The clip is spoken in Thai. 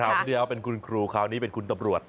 คนเดียวเป็นคุณครูคราวนี้เป็นคุณตำรวจ